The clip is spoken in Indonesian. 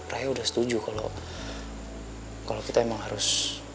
raya udah setuju kalo kita emang harus